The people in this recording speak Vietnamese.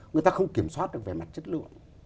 người ta không kiểm soát được về mặt chất lượng